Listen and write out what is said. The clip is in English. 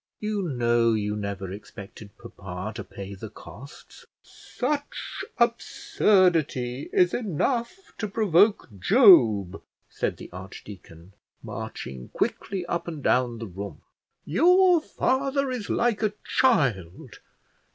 You know you never expected papa to pay the costs." "Such absurdity is enough to provoke Job," said the archdeacon, marching quickly up and down the room. "Your father is like a child.